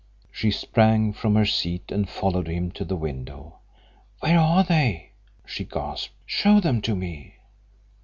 She sprang from her seat and followed him to the window. "Where are they?" she gasped. "Show them to me."